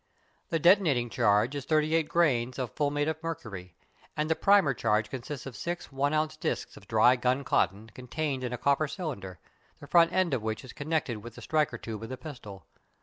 The detonating charge is thirty eight grains of fulminate of mercury, and the primer charge consists of six one ounce discs of dry gun cotton contained in a copper cylinder, the front end of which is connected with the striker tube of the pistol.